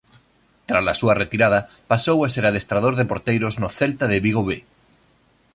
Trala súa retirada pasou a ser adestrador de porteiros no Celta de Vigo B.